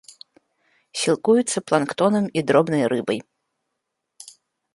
Сілкуецца планктонам і дробнай рыбай.